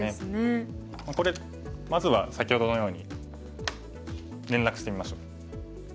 これまずは先ほどのように連絡してみましょう。